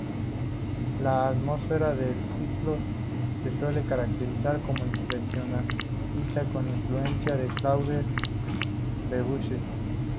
La atmósfera del ciclo se suele caracterizar como impresionista, con influencia de Claude Debussy.